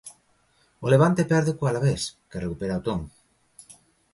O Levante perde co Alavés que recupera o ton.